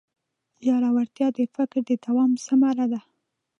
ژورتیا د فکر د دوام ثمره ده.